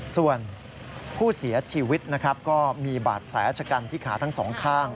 ส่วนผู้เสียชีวิตนะครับก็มีบาดแผลชะกันที่ขาทั้งสองข้าง